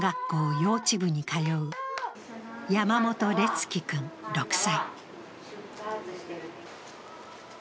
幼稚部に通う山本烈義君６歳。